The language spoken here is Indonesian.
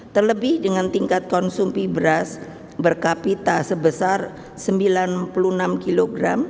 terlebih dengan tingkat konsumsi beras berkapita sebesar sembilan puluh enam kg